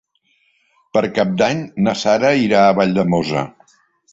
Per Cap d'Any na Sara irà a Valldemossa.